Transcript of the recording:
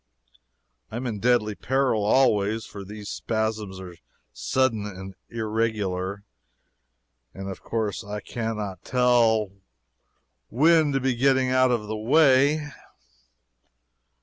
I am in deadly peril always, for these spasms are sudden and irregular, and of course I cannot tell when to be getting out of the way.